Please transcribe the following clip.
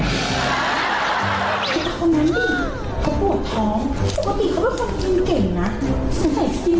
แต่ตาคนนั้นดิเขาปวดท้อง